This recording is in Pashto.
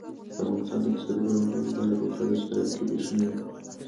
د افغانستان د اقتصادي پرمختګ لپاره پکار ده چې ترافیکي پیښې نه وي.